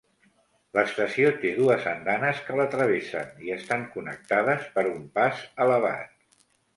L'estació té dues andanes que la travessen i estan connectades per un pas elevat.